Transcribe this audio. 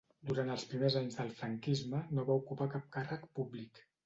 Durant els primers anys del franquisme no va ocupar cap càrrec públic.